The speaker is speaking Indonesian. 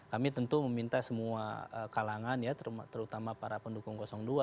kami tentu meminta semua kalangan ya terutama para pendukung dua